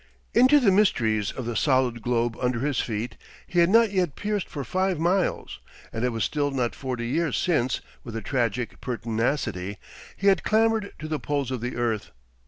Into the mysteries of the solid globe under his feet he had not yet pierced for five miles, and it was still not forty years since, with a tragic pertinacity, he had clambered to the poles of the earth.